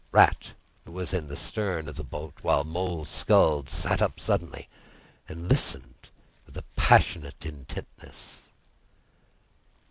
Rat, who was in the stern of the boat, while Mole sculled, sat up suddenly and listened with a passionate intentness.